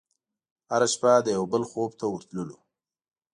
هره شپه د یوه بل خوب ته ورتللو